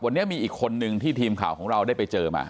วันนี้มีอีกคนนึงที่ทีมข่าวของเราได้ไปเจอมา